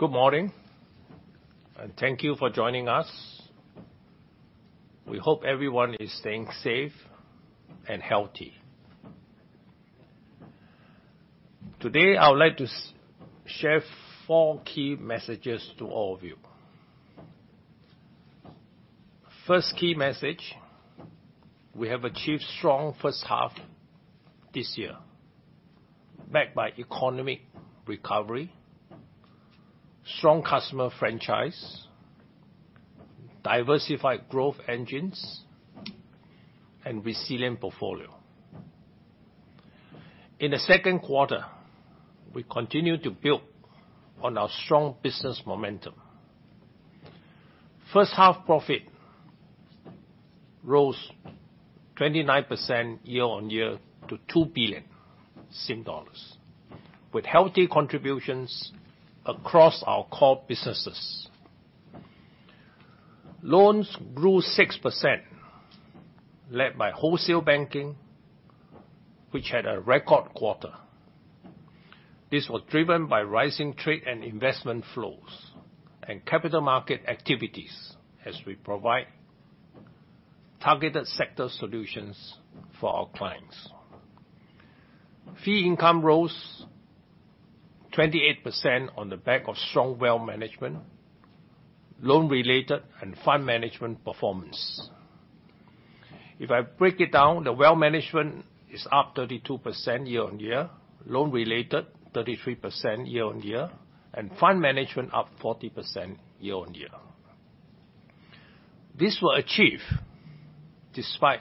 Good morning, thank you for joining us. We hope everyone is staying safe and healthy. Today, I would like to share four key messages to all of you. First key message, we have achieved strong first half this year, backed by economy recovery, strong customer franchise, diversified growth engines, and resilient portfolio. In the second quarter, we continued to build on our strong business momentum. First-half profit rose 29% year-on-year to SGD 2 billion, with healthy contributions across our core businesses. Loans grew 6%, led by wholesale banking, which had a record quarter. This was driven by rising trade and investment flows and capital market activities, as we provide targeted sector solutions for our clients. Fee income rose 28% on the back of strong wealth management, loan-related, and fund management performance. If I break it down, the wealth management is up 32% year-on-year, loan-related 33% year-on-year, and fund management up 40% year-on-year. This was achieved despite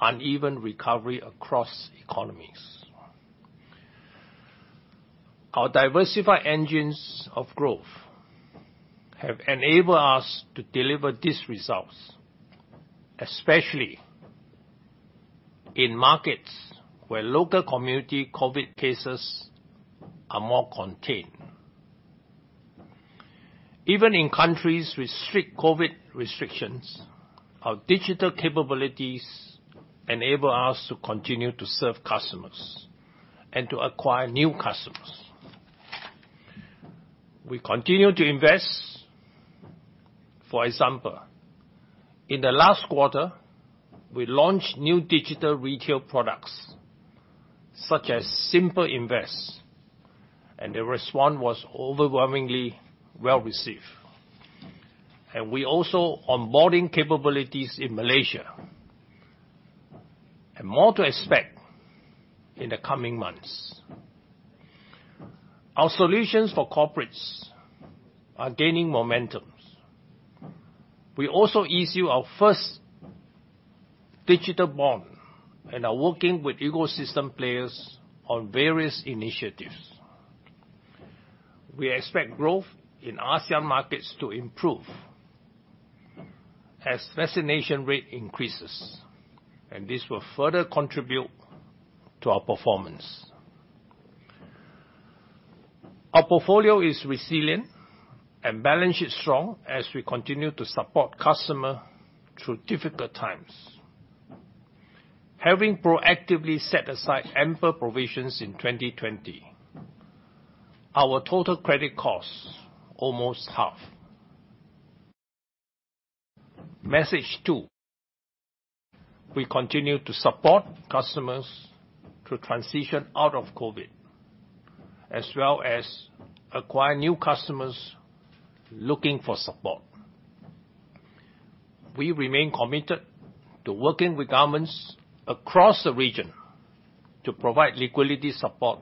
uneven recovery across economies. Our diversified engines of growth have enabled us to deliver these results, especially in markets where local community COVID cases are more contained. Even in countries with strict COVID restrictions, our digital capabilities enable us to continue to serve customers and to acquire new customers. We continue to invest. For example, in the last quarter, we launched new digital retail products, such as SimpleInvest, the response was overwhelmingly well-received. We also onboarding capabilities in Malaysia, more to expect in the coming months. Our solutions for corporates are gaining momentum. We also issue our first digital bond and are working with ecosystem players on various initiatives. We expect growth in ASEAN markets to improve as vaccination rate increases, this will further contribute to our performance. Our portfolio is resilient, balance sheet strong as we continue to support customer through difficult times. Having proactively set aside ample provisions in 2020, our total credit costs almost half. Message two, we continue to support customers through transition out of COVID, as well as acquire new customers looking for support. We remain committed to working with governments across the region to provide liquidity support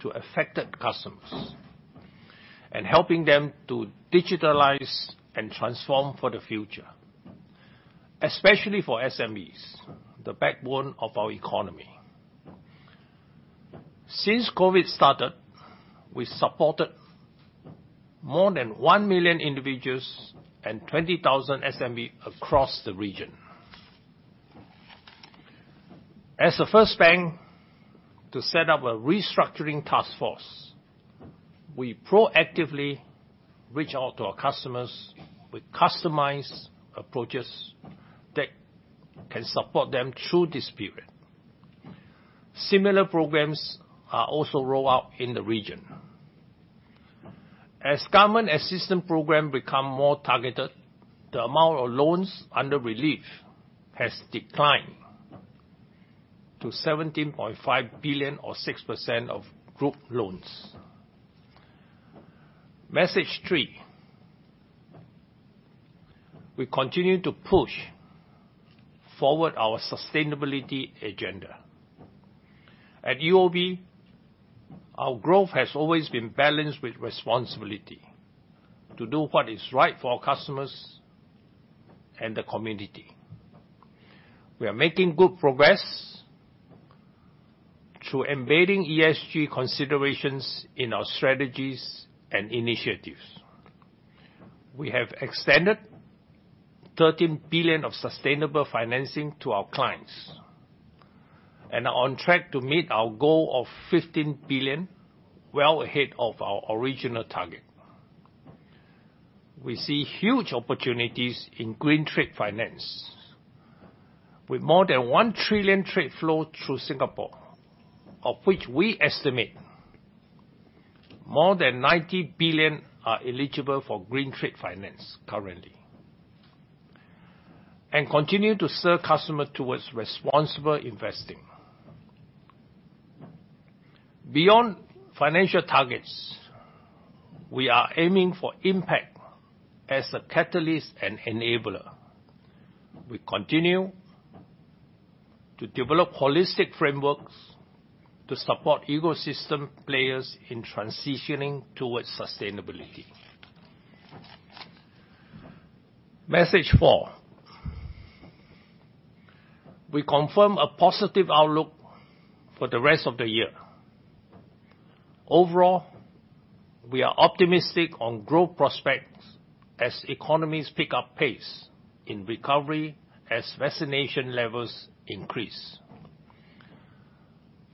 to affected customers and helping them to digitalize and transform for the future, especially for SMEs, the backbone of our economy. Since COVID started, we supported more than 1 million individuals and 20,000 SME across the region. As the first bank to set up a restructuring task force, we proactively reach out to our customers with customized approaches that can support them through this period. Similar programs are also rolled out in the region. As government assistance program become more targeted, the amount of loans under relief has declined to 17.5 billion or 6% of group loans. Message three, we continue to push forward our sustainability agenda. At UOB, our growth has always been balanced with responsibility to do what is right for our customers and the community. We are making good progress through embedding ESG considerations in our strategies and initiatives. We have extended 13 billion of sustainable financing to our clients and are on track to meet our goal of 15 billion, well ahead of our original target. We see huge opportunities in green trade finance. With more than 1 trillion trade flow through Singapore, of which we estimate more than 90 billion are eligible for green trade finance currently, and continue to serve customers towards responsible investing. Beyond financial targets, we are aiming for impact as a catalyst and enabler. We continue to develop holistic frameworks to support ecosystem players in transitioning towards sustainability. Message four, we confirm a positive outlook for the rest of the year. Overall, we are optimistic on growth prospects as economies pick up pace in recovery as vaccination levels increase.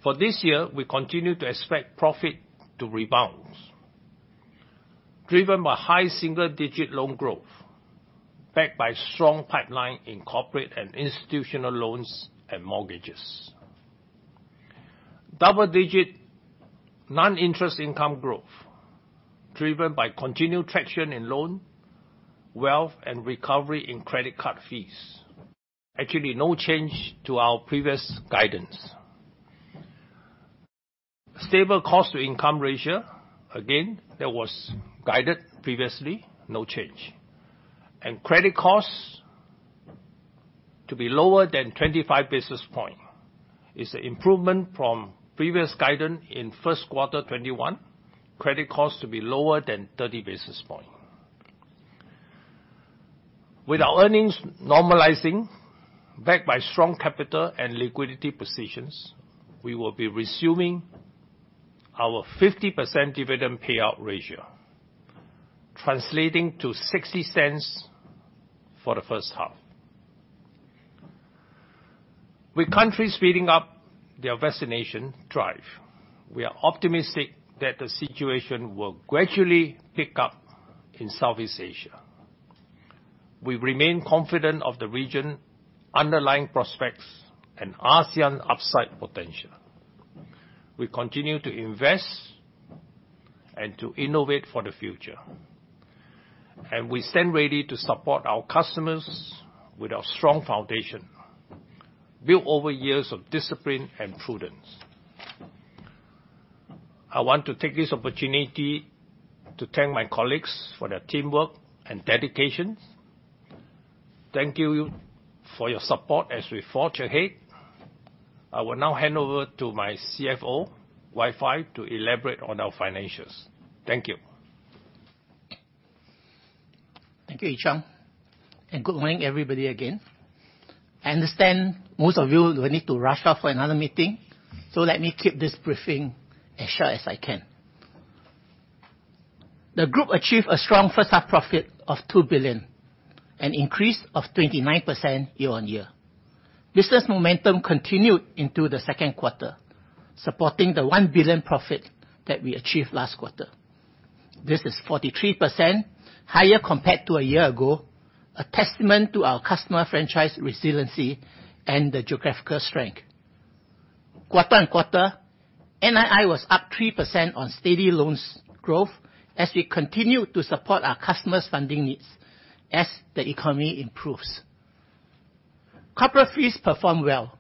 For this year, we continue to expect profit to rebound, driven by high single-digit loan growth, backed by strong pipeline in corporate and institutional loans and mortgages. Double-digit non-interest income growth driven by continued traction in loan, wealth, and recovery in credit card fees. Actually, no change to our previous guidance. Stable cost-to-income ratio. Again, that was guided previously, no change. And credit costs to be lower than 25 basis points is an improvement from previous guidance in first quarter 2021, credit costs to be lower than 30 basis points. With our earnings normalizing, backed by strong capital and liquidity positions, we will be resuming our 50% dividend payout ratio, translating to 0.60 for the first half. With countries speeding up their vaccination drive, we are optimistic that the situation will gradually pick up in Southeast Asia. We remain confident of the region's underlying prospects and ASEAN upside potential. We continue to invest and to innovate for the future, and we stand ready to support our customers with our strong foundation, built over years of discipline and prudence. I want to take this opportunity to thank my colleagues for their teamwork and dedication. Thank you for your support as we forge ahead. I will now hand over to my CFO, Wai Fai, to elaborate on our financials. Thank you. Thank you, Chong, and good morning, everybody, again. I understand most of you will need to rush off for another meeting, so let me keep this briefing as short as I can. The group achieved a strong first half profit of 2 billion, an increase of 29% year-on-year. Business momentum continued into the second quarter, supporting the 1 billion profit that we achieved last quarter. This is 43% higher compared to a year ago, a testament to our customer franchise resiliency and the geographical strength. Quarter-on-quarter, NII was up 3% on steady loans growth as we continue to support our customers' funding needs as the economy improves. Corporate fees performed well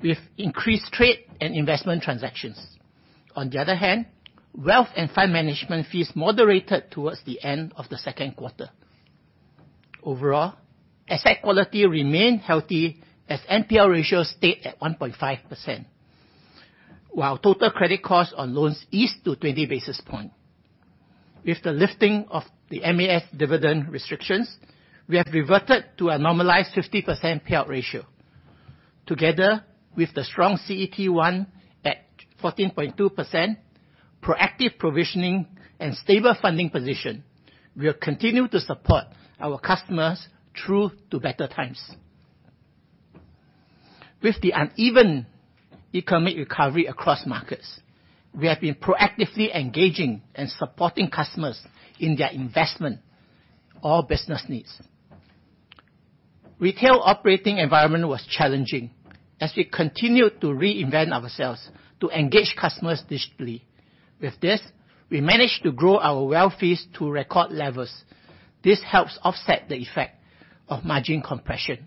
with increased trade and investment transactions. On the other hand, wealth and fund management fees moderated towards the end of the second quarter. Overall, asset quality remained healthy as NPL ratio stayed at 1.5%, while total credit cost on loans eased to 20 basis points. With the lifting of the MAS dividend restrictions, we have reverted to a normalized 50% payout ratio. Together with the strong CET1 at 14.2%, proactive provisioning, and stable funding position, we'll continue to support our customers through to better times. With the uneven economic recovery across markets, we have been proactively engaging and supporting customers in their investment or business needs. Retail operating environment was challenging as we continued to reinvent ourselves to engage customers digitally. With this, we managed to grow our wealth fees to record levels. This helps offset the effect of margin compression.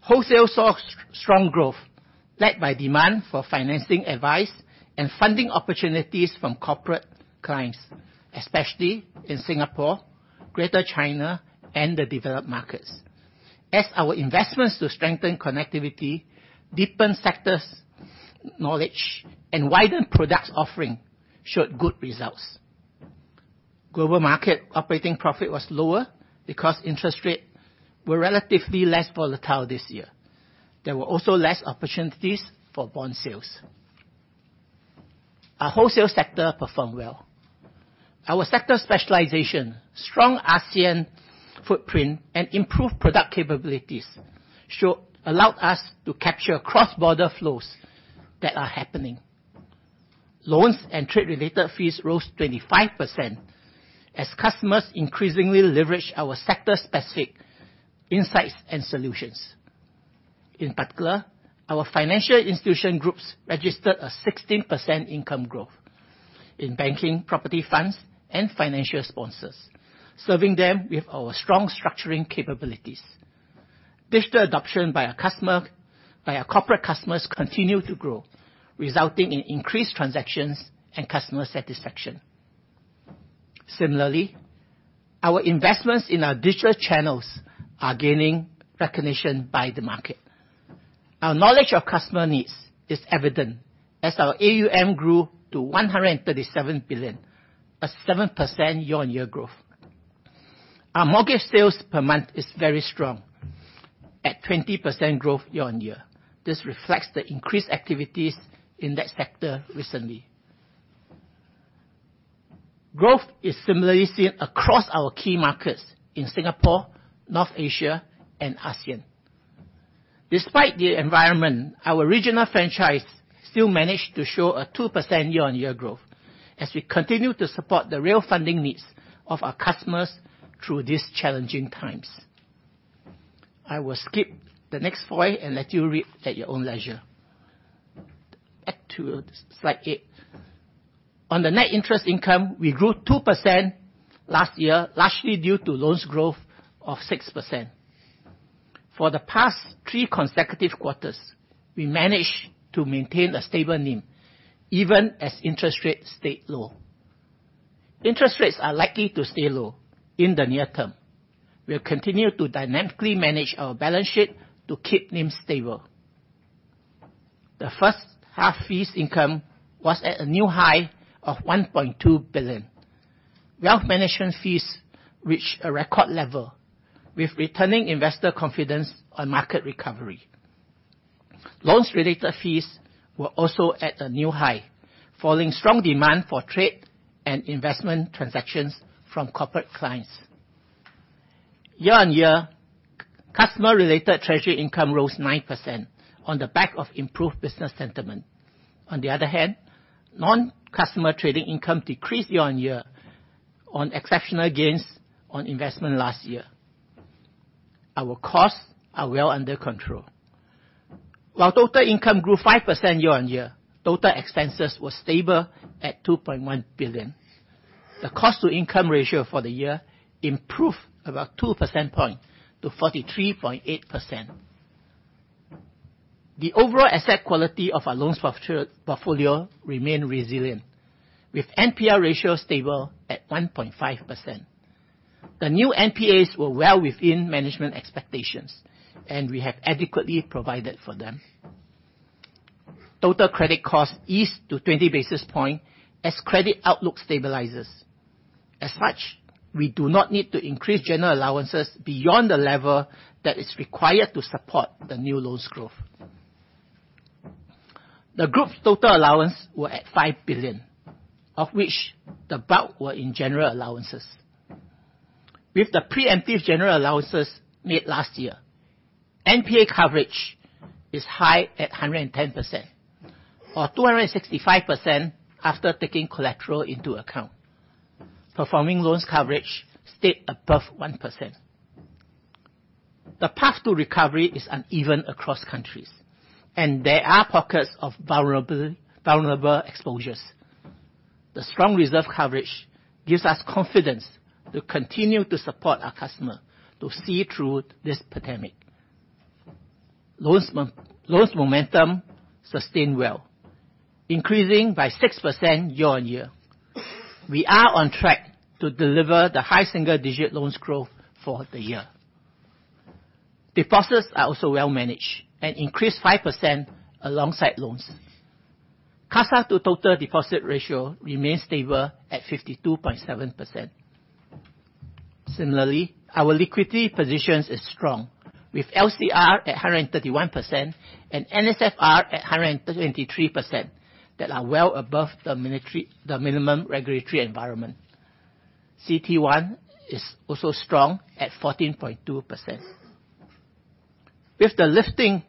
Wholesale saw strong growth led by demand for financing advice and funding opportunities from corporate clients, especially in Singapore, Greater China, and the developed markets, as our investments to strengthen connectivity, deepen sectors knowledge, and widen product offering showed good results. Global market operating profit was lower because interest rate were relatively less volatile this year. There were also less opportunities for bond sales. Our wholesale sector performed well. Our sector specialization, strong ASEAN footprint, and improved product capabilities allowed us to capture cross-border flows that are happening. Loans and trade-related fees rose 25% as customers increasingly leveraged our sector-specific insights and solutions. In particular, our Financial Institution Groups registered a 16% income growth in banking, property funds, and financial sponsors, serving them with our strong structuring capabilities. Digital adoption by our corporate customers continue to grow, resulting in increased transactions and customer satisfaction. Similarly, our investments in our digital channels are gaining recognition by the market. Our knowledge of customer needs is evident as our AUM grew to 137 billion, a 7% year-on-year growth. Our mortgage sales per month is very strong at 20% growth year-on-year. This reflects the increased activities in that sector recently. Growth is similarly seen across our key markets in Singapore, North Asia, and ASEAN. Despite the environment, our regional franchise still managed to show a 2% year-on-year growth as we continue to support the real funding needs of our customers through these challenging times. I will skip the next point and let you read at your own leisure. Back to slide eight. On the net interest income, we grew 2% last year, largely due to loans growth of 6%. For the past three consecutive quarters, we managed to maintain a stable NIM, even as interest rates stayed low. Interest rates are likely to stay low in the near term. We'll continue to dynamically manage our balance sheet to keep NIM stable. The first half fees income was at a new high of 1.2 billion. Wealth management fees reached a record level with returning investor confidence on market recovery. Loans related fees were also at a new high, following strong demand for trade and investment transactions from corporate clients. Year-on-year, customer related treasury income rose 9% on the back of improved business sentiment. On the other hand, non-customer trading income decreased year-on-year on exceptional gains on investment last year. Our costs are well under control. While total income grew 5% year-on-year, total expenses were stable at 2.1 billion. The cost to income ratio for the year improved about two percentage points to 43.8%. The overall asset quality of our loan portfolio remain resilient, with NPL ratio stable at 1.5%. The new NPAs were well within management expectations, and we have adequately provided for them. Total credit costs eased to 20 basis points as credit outlook stabilizes. As much, we do not need to increase general allowances beyond the level that is required to support the new loans growth. The group's total allowance were at 5 billion, of which the bulk were in general allowances. With the preemptive general allowances made last year, NPA coverage is high at 110%, or 265% after taking collateral into account. Performing loans coverage stayed above 1%. The path to recovery is uneven across countries, and there are pockets of vulnerable exposures. The strong reserve coverage gives us confidence to continue to support our customer to see through this pandemic. Loans momentum sustained well, increasing by 6% year-on-year. We are on track to deliver the high single-digit loans growth for the year. Deposits are also well managed and increased 5% alongside loans. CASA to total deposit ratio remains stable at 52.7%. Similarly, our liquidity positions is strong, with LCR at 131% and NSFR at 123% that are well above the minimum regulatory environment. CET1 is also strong at 14.2%. With the lifting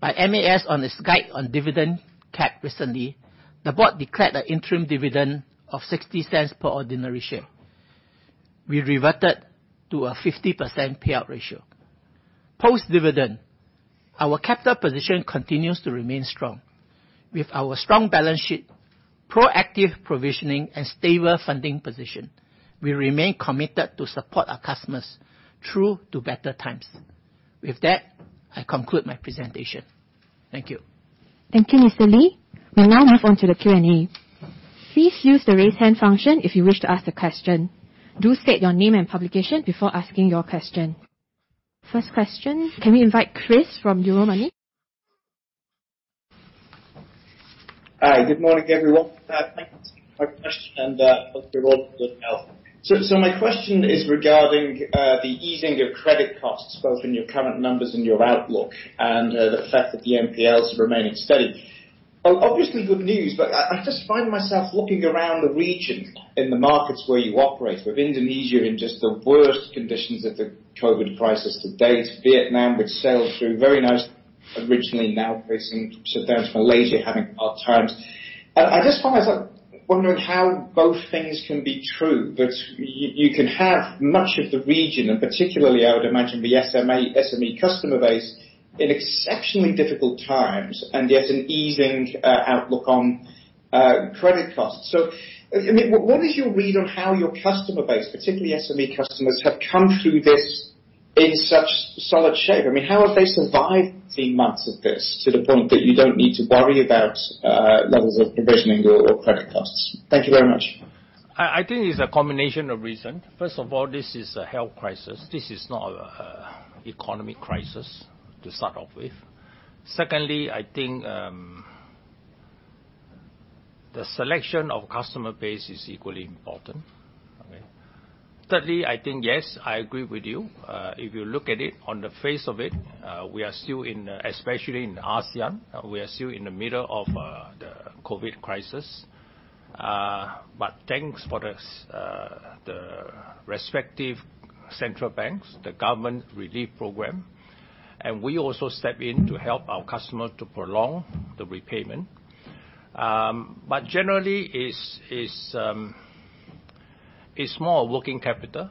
by MAS on its guide on dividend cap recently, the board declared an interim dividend of 0.60 per ordinary share. We reverted to a 50% payout ratio. Post-dividend, our capital position continues to remain strong. With our strong balance sheet, proactive provisioning, and stable funding position, we remain committed to support our customers through to better times. With that, I conclude my presentation. Thank you. Thank you, Mr. Lee. We'll now move on to the Q&A. Please use the raise hand function if you wish to ask a question. Do state your name and publication before asking your question. First question, can we invite Chris from Euromoney? Hi, good morning, everyone. Thanks for taking my question, and first of all, good health. My question is regarding the easing of credit costs, both in your current numbers and your outlook, and the fact that the NPLs are remaining steady. Obviously good news, but I just find myself looking around the region in the markets where you operate, with Indonesia in just the worst conditions of the COVID crisis to date, Vietnam, which sailed through very nicely originally, now facing some doubts, Malaysia having hard times. I just find myself wondering how both things can be true, that you can have much of the region, and particularly, I would imagine, the SME customer base, in exceptionally difficult times, and yet an easing outlook on credit costs. What is your read on how your customer base, particularly SME customers, have come through this in such solid shape? How have they survived three months of this to the point that you don't need to worry about levels of provisioning or credit costs? Thank you very much. I think it's a combination of reasons. First of all, this is a health crisis. This is not an economic crisis to start off with. Secondly, I think the selection of customer base is equally important. Thirdly, I think, yes, I agree with you. If you look at it on the face of it, we are still in, especially in ASEAN, we are still in the middle of the COVID crisis. Thanks for the respective central banks, the government relief program, and we also step in to help our customer to prolong the repayment. Generally, it's more a working capital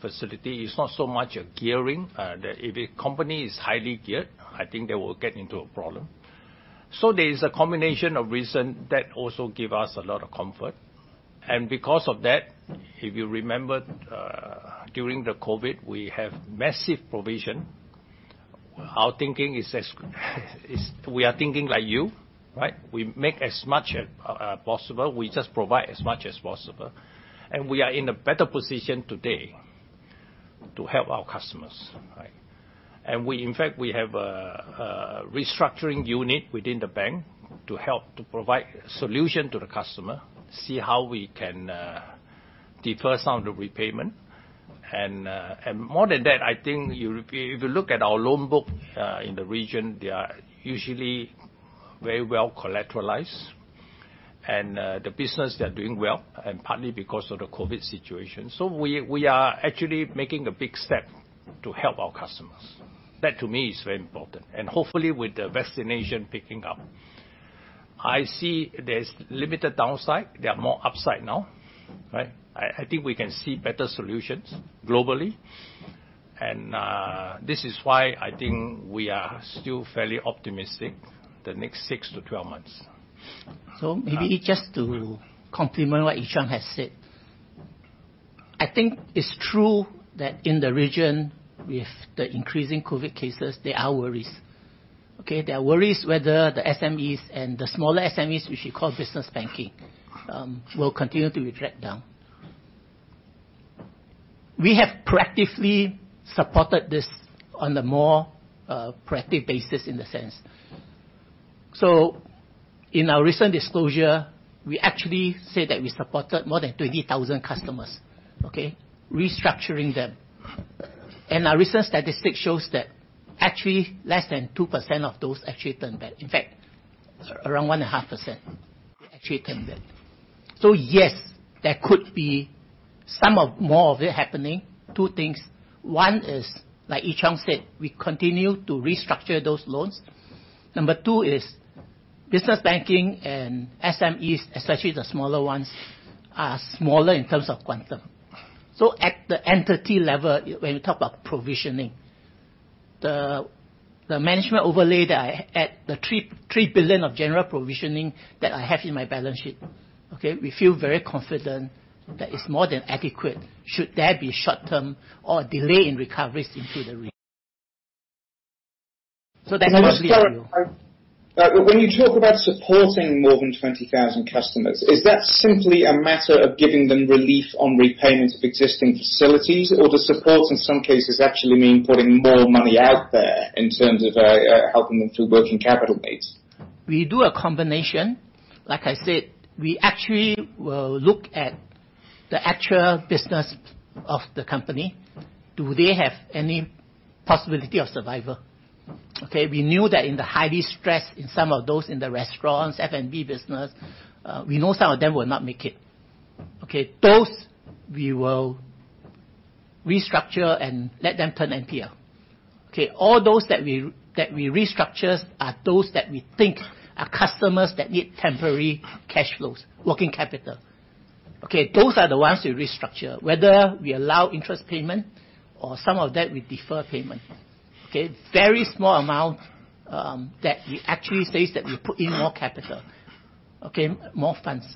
facility. It's not so much a gearing. If a company is highly geared, I think they will get into a problem. There is a combination of reasons that also give us a lot of comfort. Because of that, if you remember, during the COVID, we have massive provision. We are thinking like you. We make as much as possible. We just provide as much as possible. We are in a better position today to help our customers. We, in fact, we have a restructuring unit within the bank to help to provide solution to the customer, see how we can defer some of the repayment. More than that, I think if you look at our loan book in the region, they are usually very well collateralized, and the business, they're doing well, and partly because of the COVID situation. We are actually making a big step to help our customers. That, to me, is very important. Hopefully with the vaccination picking up, I see there's limited downside. There are more upside now. I think we can see better solutions globally. This is why I think we are still fairly optimistic the next 6-12 months. Maybe just to complement what Yee-Chung has said, I think it is true that in the region with the increasing COVID cases, there are worries. There are worries whether the SMEs and the smaller SMEs, which we call business banking, will continue to retract down. We have proactively supported this on a more proactive basis in the sense. In our recent disclosure, we actually said that we supported more than 20,000 customers, restructuring them. Our recent statistic shows that actually less than 2% of those actually turned bad. In fact, around 1.5% actually turned bad. Yes, there could be some of more of it happening. Two things. One is, like Yee-Chung said, we continue to restructure those loans. Number two is business banking and SMEs, especially the smaller ones, are smaller in terms of quantum. At the entity level, when you talk about provisioning, the management overlay that at the 3 billion of general provisioning that I have in my balance sheet, we feel very confident that it is more than adequate should there be a short-term or delay in recoveries into the region. That is mostly- When you talk about supporting more than 20,000 customers, is that simply a matter of giving them relief on repayment of existing facilities, or the support in some cases actually mean putting more money out there in terms of helping them through working capital base? We do a combination. Like I said, we actually will look at the actual business of the company. Do they have any possibility of survival? We knew that in the highly stressed in some of those in the restaurants, F&B business, we know some of them will not make it. Those we will restructure and let them turn NPL. All those that we restructure are those that we think are customers that need temporary cash flows, working capital. Those are the ones we restructure, whether we allow interest payment or some of that we defer payment. Very small amount that we actually says that we put in more capital, more funds.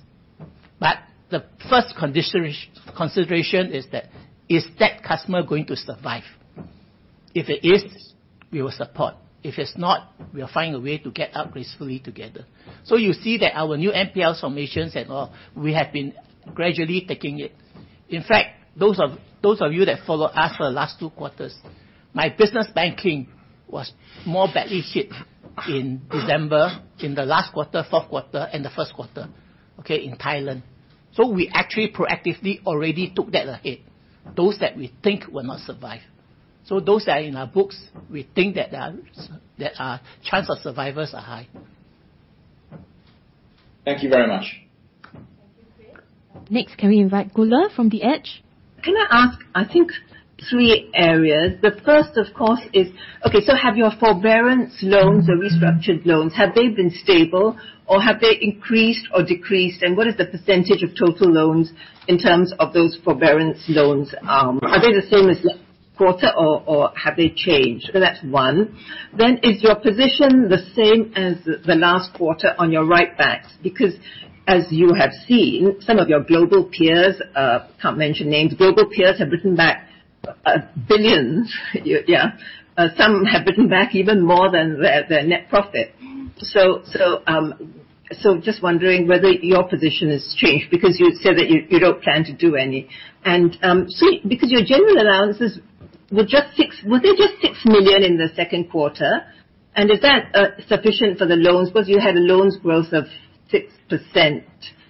The first consideration is that, is that customer going to survive? If it is, we will support. If it's not, we'll find a way to get out gracefully together. You see that our new NPL formations and all, we have been gradually taking it. In fact, those of you that follow us for the last two quarters, my business banking was more badly hit in December, in the last quarter, fourth quarter, and the first quarter in Thailand. We actually proactively already took that hit, those that we think will not survive. Those are in our books, we think that our chance of survivals are high. Thank you very much. Next, can we invite Gula from The Edge? Can I ask, I think three areas. The first, of course, is, have your forbearance loans or restructured loans, have they been stable, or have they increased or decreased? What is the percentage of total loans in terms of those forbearance loans? Are they the same as last quarter, or have they changed? That's one. Is your position the same as the last quarter on your write backs? As you have seen, some of your global peers, can't mention names, global peers have written back billions. Yeah. Some have written back even more than their net profit. Just wondering whether your position has changed, because you said that you don't plan to do any. Because your general allowances, were they just 6 million in the second quarter? Is that sufficient for the loans? You had a loans growth of 6%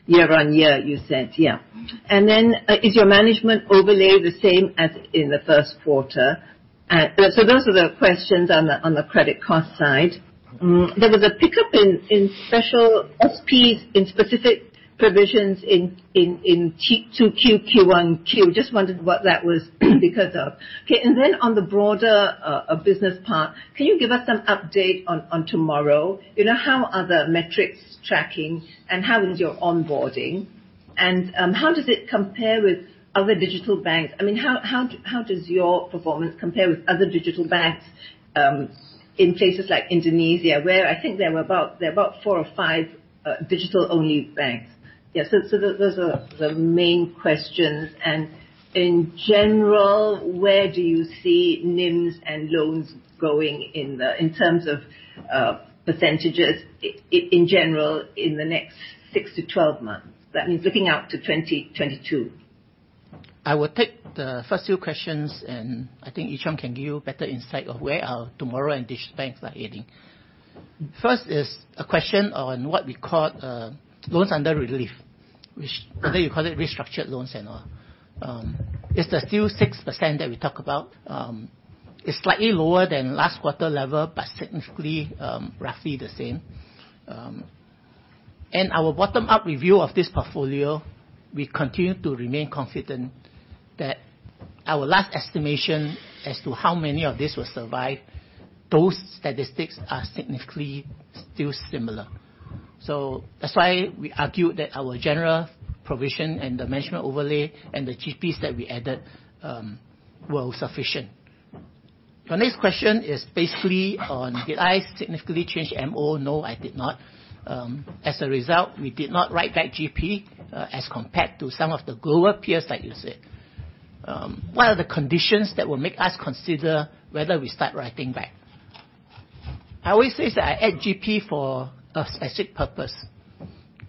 year-on-year, you said, yeah. Is your management overlay the same as in the first quarter? Those are the questions on the credit cost side. There was a pickup in special SPs, in specific provisions in Q2. Just wondered what that was because of. On the broader business part, can you give us some update on TMRW? How are the metrics tracking, and how is your onboarding? How does it compare with other digital banks? How does your performance compare with other digital banks, in places like Indonesia, where I think there are about 4 or 5 digital-only banks. Those are the main questions. In general, where do you see NIMs and loans going in terms of percentages in general, in the next 6 to 12 months? That means looking out to 2022. I will take the first two questions, and I think Yee-Chong can give you better insight of where our TMRW and digital banks are heading. First is a question on what we call loans under relief, which whether you call it restructured loans and all. It's still 6% that we talk about. It's slightly lower than last quarter level, significantly, roughly the same. In our bottom-up review of this portfolio, we continue to remain confident that our last estimation as to how many of these will survive, those statistics are significantly still similar. That's why we argued that our general provision and the measurement overlay and the GPs that we added were sufficient. Your next question is basically on did I significantly change MO? No, I did not. As a result, we did not write back GP, as compared to some of the global peers like you said. What are the conditions that will make us consider whether we start writing back? I always say that I add GP for a specific purpose.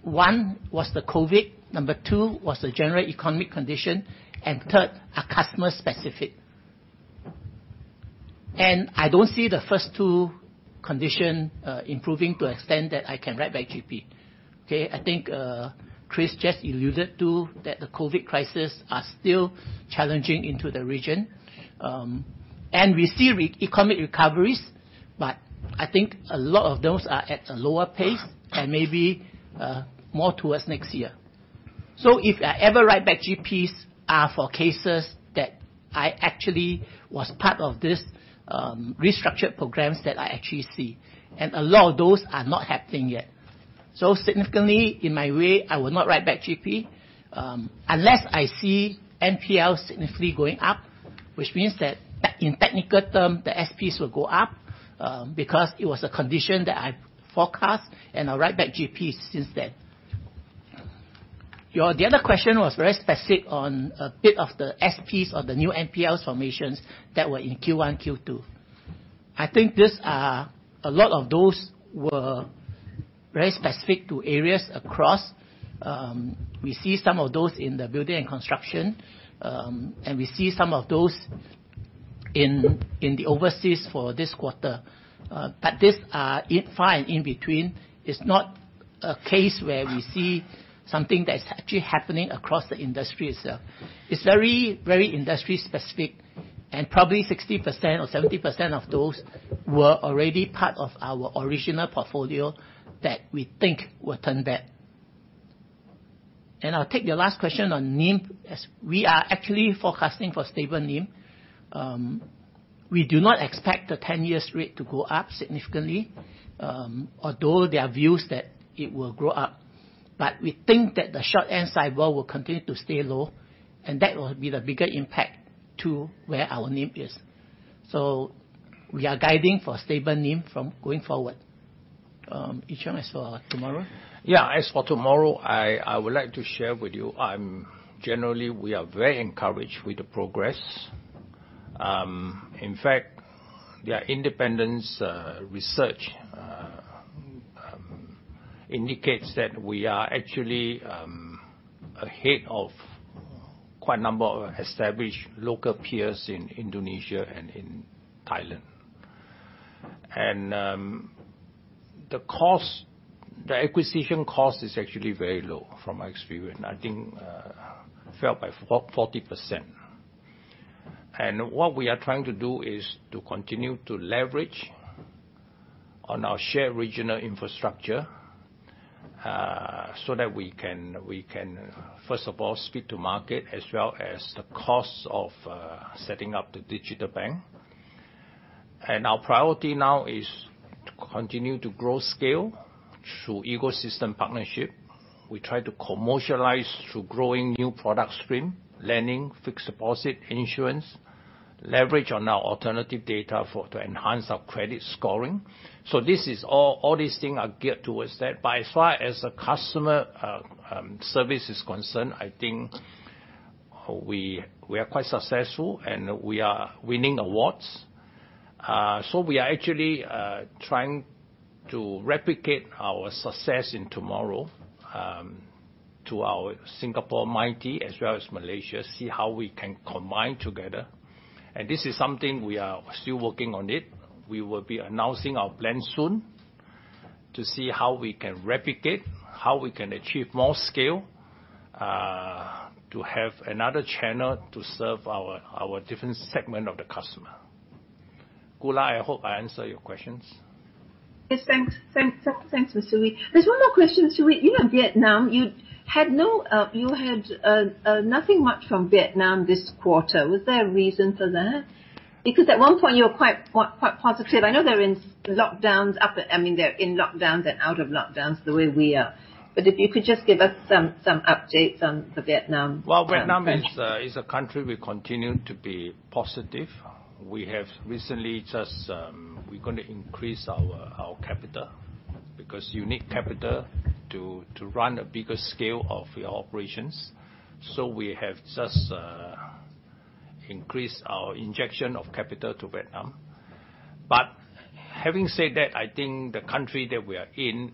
One, was the COVID, number two, was the general economic condition, third, are customer specific. I don't see the first two condition improving to extent that I can write back GP. I think Chris just alluded to that the COVID crisis are still challenging into the region, we see economic recoveries, I think a lot of those are at a lower pace and maybe more towards next year. If I ever write back GPs are for cases that I actually was part of this restructured programs that I actually see. A lot of those are not happening yet. Significantly, in my way, I will not write back GP, unless I see NPLs significantly going up, which means that in technical term, the SPs will go up, because it was a condition that I forecast and I'll write back GPs since then. The other question was very specific on a bit of the SPs or the new NPL formations that were in Q1, Q2. I think a lot of those were very specific to areas across. We see some of those in the building and construction, and we see some of those in the overseas for this quarter. These are fine in between. It's not a case where we see something that's actually happening across the industry itself. It's very industry specific, and probably 60% or 70% of those were already part of our original portfolio that we think will turn back. I'll take your last question on NIM. We are actually forecasting for stable NIM. We do not expect the 10-year rate to go up significantly, although there are views that it will go up. We think that the short end SIBOR will continue to stay low, and that will be the bigger impact to where our NIM is. We are guiding for stable NIM from going forward. Yee-Chong, as for TMRW? As for TMRW, I would like to share with you, generally, we are very encouraged with the progress. In fact, their independent research indicates that we are actually ahead of quite a number of established local peers in Indonesia and in Thailand. The acquisition cost is actually very low from my experience. I think fell by 40%. What we are trying to do is to continue to leverage on our shared regional infrastructure, so that we can, first of all, speak to market as well as the cost of setting up the digital bank. Our priority now is to continue to grow scale through ecosystem partnership. We try to commercialize through growing new product stream, lending, fixed deposit, insurance, leverage on our alternative data to enhance our credit scoring. All these things are geared towards that. As far as customer service is concerned, I think we are quite successful, and we are winning awards. We are actually trying to replicate our success in TMRW to our UOB Mighty as well as Malaysia, see how we can combine together. This is something we are still working on it. We will be announcing our plan soon to see how we can replicate, how we can achieve more scale, to have another channel to serve our different segment of the customer. Gula, I hope I answered your questions. Yes, thanks, Mr. Wee. There's one more question, Wee. You had nothing much from Vietnam this quarter. Was there a reason for that? At one point you were quite positive. I know they're in lockdowns and out of lockdowns, the way we are. If you could just give us some update on the Vietnam branch. Well, Vietnam is a country we continue to be positive. We're going to increase our capital. You need capital to run a bigger scale of your operations. We have just increased our injection of capital to Vietnam. Having said that, I think the country that we are in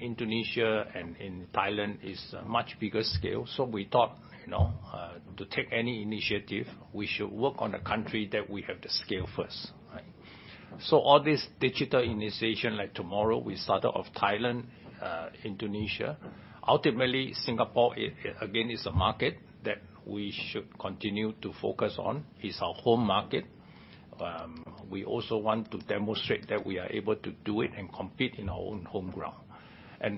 Indonesia and in Thailand, is a much bigger scale. We thought to take any initiative, we should work on the country that we have the scale first, right? All this digital initiation, like TMRW, we started off Thailand, Indonesia. Ultimately, Singapore, again, is a market that we should continue to focus on, is our home market. We also want to demonstrate that we are able to do it and compete in our own home ground.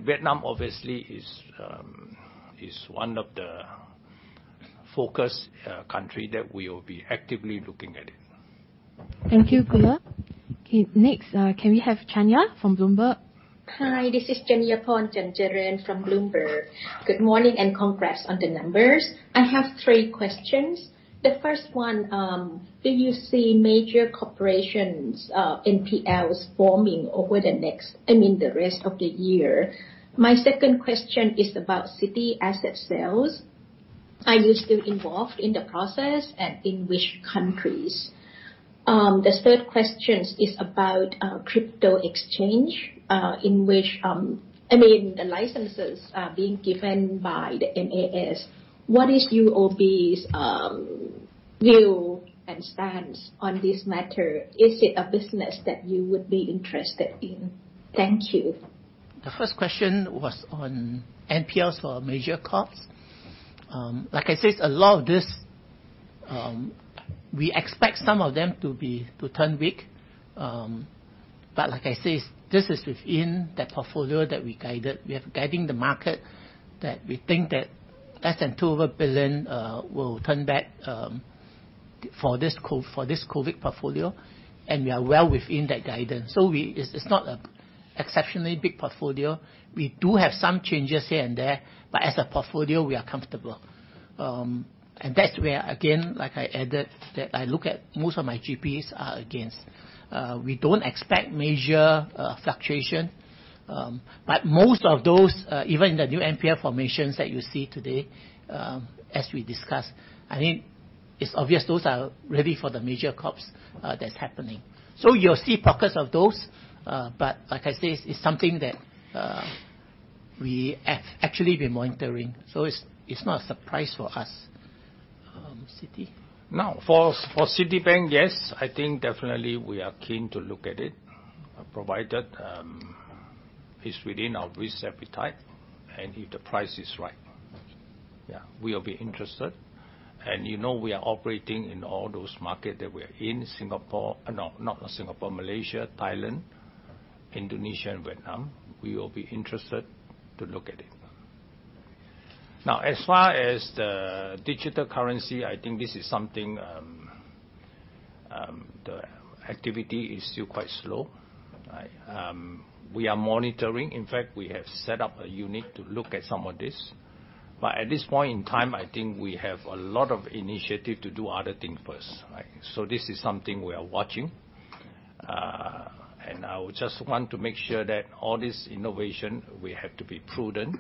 Vietnam, obviously, is one of the focus country that we will be actively looking at it. Thank you, Gula. Okay, next, can we have Chanya from Bloomberg? Hi, this is Chanyaporn Chanjaroen from Bloomberg. Good morning. Congrats on the numbers. I have three questions. The first one, do you see major corporations NPLs forming over the rest of the year? My second question is about Citi asset sales. Are you still involved in the process, in which countries? The third question is about crypto exchange. The licenses are being given by the MAS. What is UOB's view and stance on this matter? Is it a business that you would be interested in? Thank you. The first question was on NPLs for major corps. Like I said, we expect some of them to turn weak. Like I said, this is within that portfolio that we guided. We are guiding the market that we think that less than 200 billion will turn back for this COVID portfolio, and we are well within that guidance. It's not an exceptionally big portfolio. We do have some changes here and there, but as a portfolio, we are comfortable. That's where, again, like I added, that I look at most of my GPs are against. We don't expect major fluctuation. Most of those, even in the new NPL formations that you see today, as we discussed, I think it's obvious those are really for the major corps that's happening. You'll see pockets of those. Like I said, it's something that we have actually been monitoring, it's not a surprise for us. Citi? For Citibank, yes, I think definitely we are keen to look at it, provided it's within our risk appetite, if the price is right. Yeah. We will be interested. You know we are operating in all those market that we are in, Malaysia, Thailand, Indonesia, and Vietnam. We will be interested to look at it. As far as the digital currency, I think this is something, the activity is still quite slow. Right? We are monitoring. In fact, we have set up a unit to look at some of this. At this point in time, I think we have a lot of initiative to do other things first. Right? This is something we are watching. I just want to make sure that all this innovation, we have to be prudent.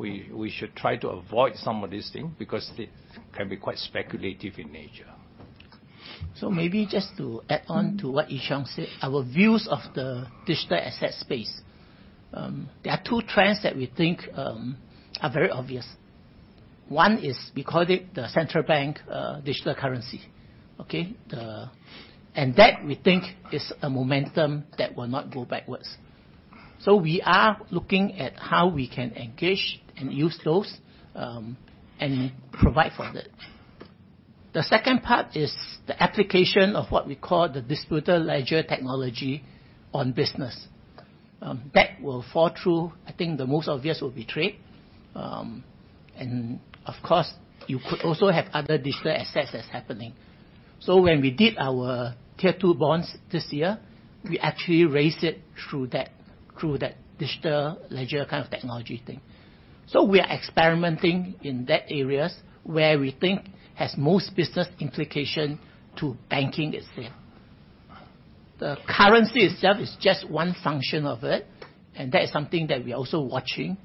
We should try to avoid some of these things because they can be quite speculative in nature. Maybe just to add on to what Yee-Chung said, our views of the digital asset space. There are two trends that we think are very obvious. One is, we call it the central bank digital currency. Okay? That, we think, is a momentum that will not go backwards. We are looking at how we can engage and use those and provide for it. The second part is the application of what we call the distributed ledger technology on business. That will fall through, I think the most obvious will be trade. Of course, you could also have other digital assets that's happening. When we did our Tier 2 bonds this year, we actually raised it through that digital ledger kind of technology thing. We are experimenting in that areas where we think has most business implication to banking itself. The currency itself is just one function of it, and that is something that we are also watching,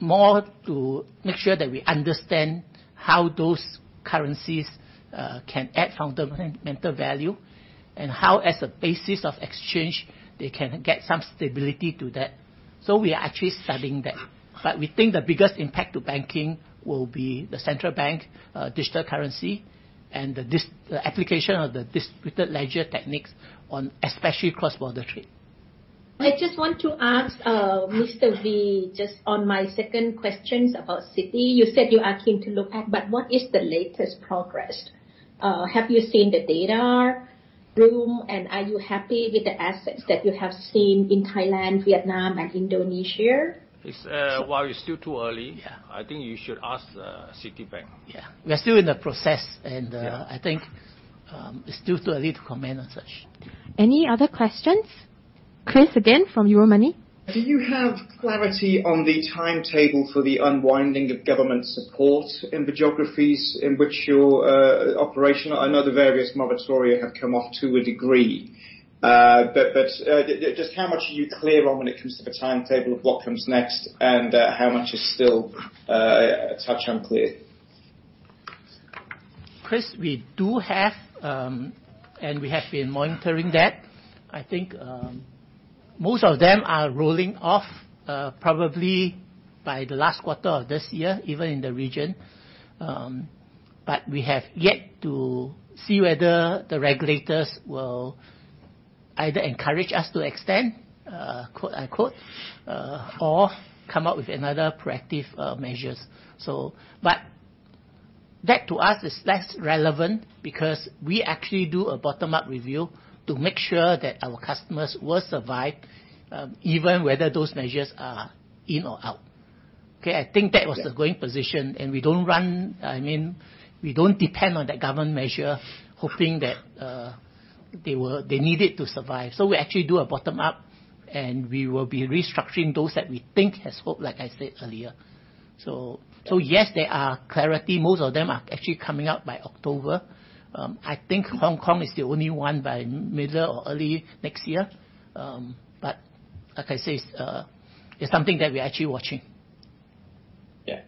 more to make sure that we understand how those currencies can add fundamental value and how, as a basis of exchange, they can get some stability to that. We are actually studying that. We think the biggest impact to banking will be the central bank digital currency, and the application of the distributed ledger techniques on especially cross-border trade. I just want to ask, Mr. Wee, just on my second questions about Citi. You said you are keen to look at, what is the latest progress? Have you seen the data room and are you happy with the assets that you have seen in Thailand, Vietnam and Indonesia? While it's still too early. Yeah I think you should ask Citibank. Yeah. We are still in the process. Yeah I think it's still too early to comment on such. Any other questions? Chris, again, from Euromoney. Do you have clarity on the timetable for the unwinding of government support in the geographies in which you're operational? I know the various moratoria have come off to a degree. Just how much are you clear on when it comes to the timetable of what comes next and how much is still a touch unclear? Chris, we do have, we have been monitoring that. I think most of them are rolling off, probably by the last quarter of this year, even in the region. We have yet to see whether the regulators will either encourage us to extend, quote-unquote, or come up with another proactive measures. That to us is less relevant because we actually do a bottom-up review to make sure that our customers will survive, even whether those measures are in or out. Okay? I think that was the going position, we don't depend on that government measure hoping that they need it to survive. We actually do a bottom-up, we will be restructuring those that we think has hope, like I said earlier. Yes, there are clarity. Most of them are actually coming out by October. I think Hong Kong is the only one by middle or early next year. Like I said, it's something that we're actually watching. Yeah.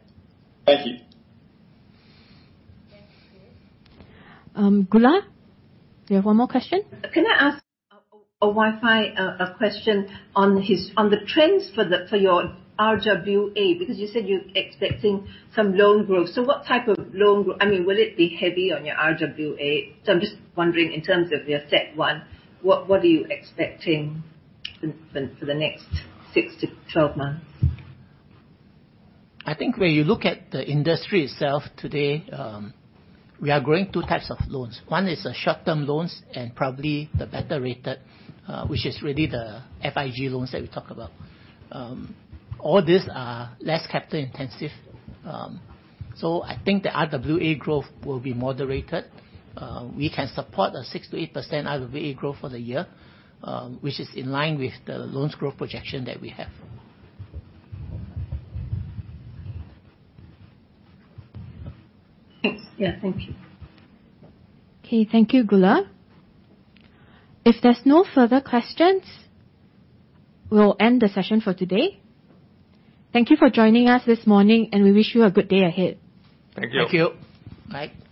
Thank you. Thank you. Gula, you have one more question? Can I ask a Wai Fai question on the trends for your RWA? You said you're expecting some loan growth. What type of loan growth? Will it be heavy on your RWA? I'm just wondering in terms of your CET1, what are you expecting for the next six to 12 months? I think when you look at the industry itself today, we are growing 2 types of loans. 1 is short-term loans and probably the better rate, which is really the FIG loans that we talk about. All these are less capital intensive. I think the RWA growth will be moderated. We can support a 6%-8% RWA growth for the year, which is in line with the loans growth projection that we have. Thanks. Yeah. Thank you. Okay. Thank you, Gula. If there's no further questions, we'll end the session for today. Thank you for joining us this morning. We wish you a good day ahead. Thank you. Thank you. Bye.